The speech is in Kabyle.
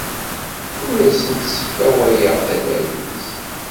Ur asent-sfawayeɣ tanarit-nsent.